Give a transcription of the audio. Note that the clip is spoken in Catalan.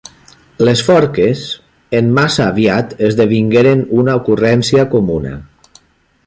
Les forques en massa aviat esdevingueren una ocurrència comuna.